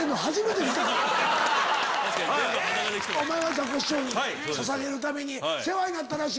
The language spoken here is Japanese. ザコシショウにささげるために世話になったらしくて。